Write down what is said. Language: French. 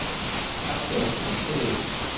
Acteurs qui ont créé les rôles.